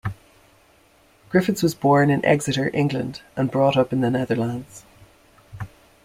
Griffiths was born in Exeter, England, and brought up in the Netherlands.